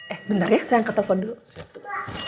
eh bentar ya saya angkat telpon dulu